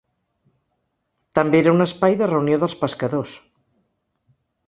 També era un espai de reunió dels pescadors.